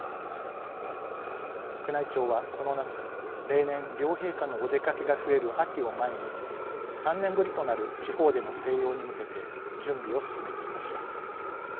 宮内庁は、この夏例年、両陛下のお出かけが増える秋を前に、３年ぶりとなる地方での静養に向けて準備を進めていました。